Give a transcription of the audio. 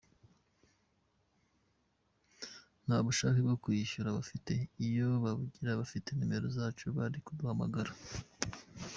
Nta bushake bwo kwishyura bafite, iyo babugira bafite nomero zacu bari kuduhamagara.